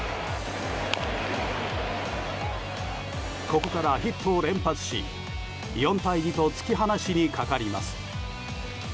ここからヒットを連発し４対２と突き放しにかかります。